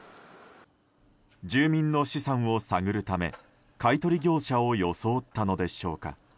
住民の資産を探るため買い取り業者を装ったのでしょうか。